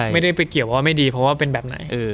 ไม่ได้ไปเกี่ยวว่าไม่ดีเพราะว่าเป็นแบบไหน